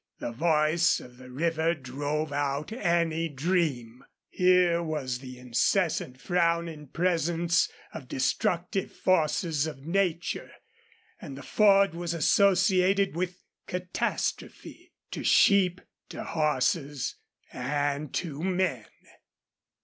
The voice of the river drove out any dream. Here was the incessant frowning presence of destructive forces of nature. And the ford was associated with catastrophe to sheep, to horses and to men.